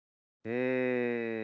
うん。